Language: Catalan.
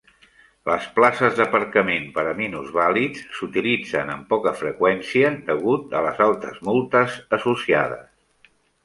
Les places d'aparcament per a minusvàlids s'utilitzen amb poca freqüència degut a les altes multes associades.